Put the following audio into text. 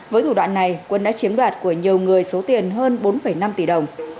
với thủ đoạn này quân đã chiếm đoạt của nhiều người số tiền hơn bốn năm tỷ đồng